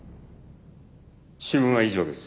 主文は以上です。